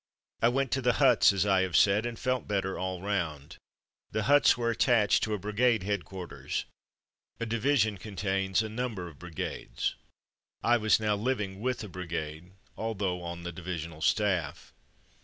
I went to the huts, as I have said, and felt better all round. The huts were attached to a brigade headquarters. A division con tains a number of brigades. I was now liv ing with a brigade although on the divisional staff.